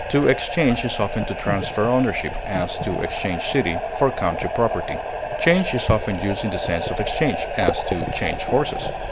To exchange is often to transfer ownership; as, to exchange city for country property. Change is often used in the sense of exchange; as, to change horses.